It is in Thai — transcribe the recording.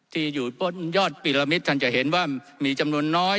ที่อยู่บนยอดปิลมิตท่านจะเห็นว่ามีจำนวนน้อย